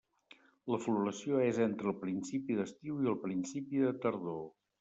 La floració és entre el principi d'estiu i el principi de tardor.